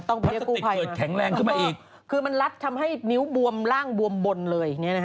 ต้องเรียกกู้ไพมาเพราะว่ามันรัดทำให้นิ้วบวมล่างบวมบนเลย